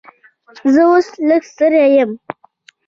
زه اوس لږ ستړی یم.